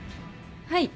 はい。